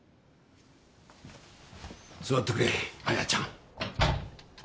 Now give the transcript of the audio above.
座ってくれあやちゃん。